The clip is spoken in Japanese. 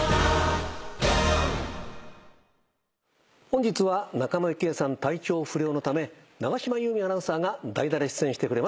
本日は仲間由紀恵さん体調不良のため永島優美アナウンサーが代打で出演してくれます。